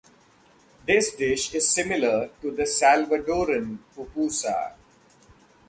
This dish is similar to the Salvadoran pupusa.